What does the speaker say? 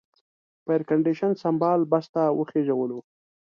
په ایرکنډېشن سمبال بس ته وخېژولو.